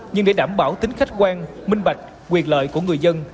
nhưng để đảm bảo tính khách quan minh bạch quyền lợi của người dân